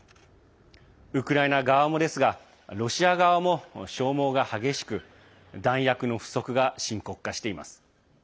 ウクライナ側もですがロシア側も消耗が激しく弾薬の不足が深刻化しています。